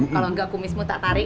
kalo engga kumismu tak tarik